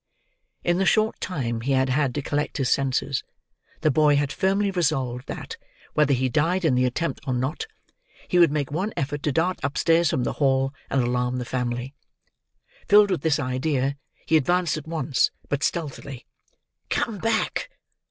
In the short time he had had to collect his senses, the boy had firmly resolved that, whether he died in the attempt or not, he would make one effort to dart upstairs from the hall, and alarm the family. Filled with this idea, he advanced at once, but stealthily. "Come back!"